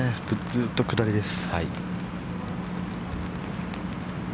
ずっと下りです。